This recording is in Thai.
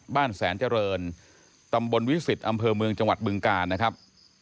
บ้านแสนเจริญตำบลวิสิตอำเภอเมืองจังหวัดบึงกาลนะครับ